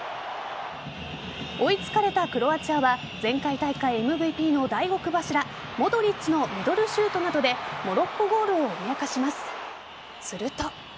追いつかれたクロアチアは前回大会ＭＶＰの大黒柱モドリッチのミドルシュートなどでモロッコゴールを脅かします。